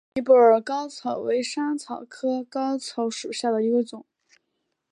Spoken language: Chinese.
尼泊尔嵩草为莎草科嵩草属下的一个种。